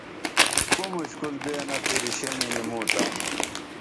کو مُشکل بیئنہ تِریشین یینی موں تہ